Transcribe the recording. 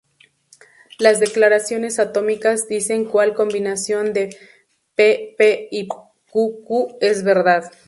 Las declaraciones atómicas dicen cual combinación de pp y qq es verdad.